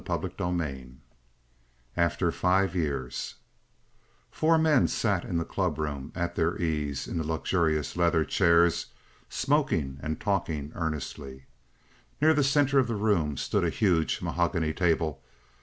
CHAPTER IX AFTER FIVE YEARS Four men sat in the clubroom, at their ease in the luxurious leather chairs, smoking and talking earnestly. Near the center of the room stood a huge mahogany table.